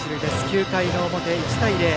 ９回の表、１対０。